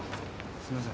すいません。